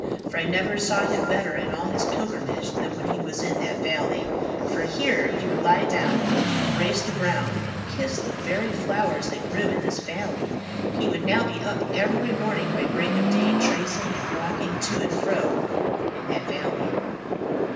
For I never saw him better in all his pilgrimage than when he was in that valley. For here he would lie down, embrace the ground, and kiss the very flowers that grew in this valley. He would now be up every morning by break of day, tracing and walking to and fro in that valley."